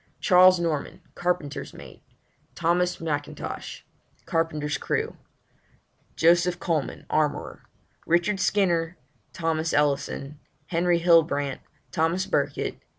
CHARLES NORMAN Carpenter's mate. THOMAS M'INTOSH Carpenter's crew. JOSEPH COLEMAN Armourer. RICHARD SKINNER } THOMAS ELLISON } HENRY HILLBRANT } THOMAS BURKITT } Seamen.